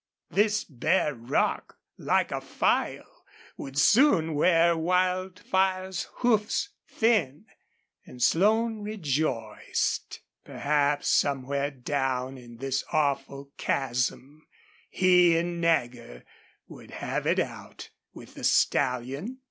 This bare rock, like a file, would soon wear Wildfire's hoofs thin. And Slone rejoiced. Perhaps somewhere down in this awful chasm he and Nagger would have it out with the stallion.